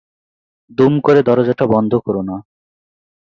দুম করে দরজাটা বন্ধ কোরো না।